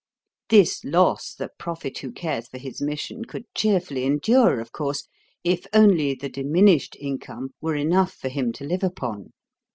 This loss the prophet who cares for his mission could cheerfully endure, of course, if only the diminished income were enough for him to live upon.